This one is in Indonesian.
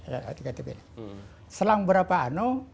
setelah beberapa jam